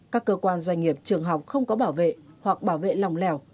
các cơ quan doanh nghiệp trường học không có bảo vệ hoặc bảo vệ lòng lèo